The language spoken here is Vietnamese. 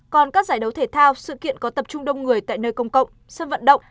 còn các giải đấu thể thao sự kiện có tập trung đông người tại nơi công cộng sân vận động